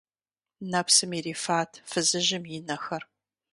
Нэпсым ирифат фызыжьым и нэхэр.